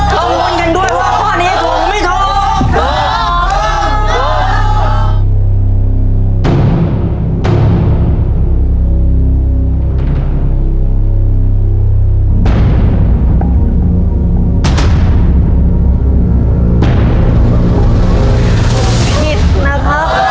ร่วมกันด้วยข้อนี้กูมันไม่โทษ